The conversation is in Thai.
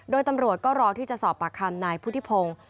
โดยตำรวจก็รอที่จะสอบปากคำนายพุทธิพงศ์